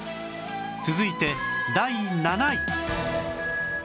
続いて第７位